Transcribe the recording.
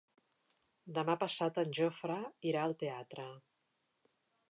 Demà passat en Jofre irà al teatre.